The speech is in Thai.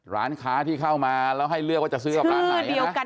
ร้านค้าที่เข้ามาแล้วให้เลือกว่าจะซื้อกับร้านไหนนะ